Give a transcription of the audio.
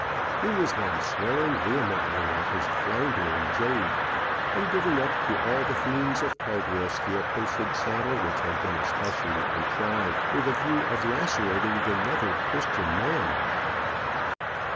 He was then swearing vehemently at his floundering jade, and giving up to all the fiends of Tartarus the accursed saddle which had been specially contrived with the view of lacerating the nether Christian man.